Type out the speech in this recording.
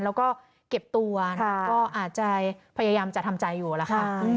แล้วก็เก็บตัวก็อาจจะพยายามจะทำใจอยู่แล้วค่ะ